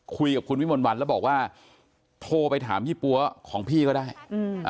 คุยกับคุณวิมนต์วันแล้วบอกว่าโทรไปถามยี่ปั๊วของพี่ก็ได้อืม